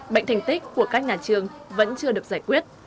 bệnh thành tích của các nhà trường vẫn chưa được giải quyết